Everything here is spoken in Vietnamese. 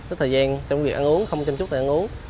ít thời gian trong việc ăn uống không chăm chút thời ăn uống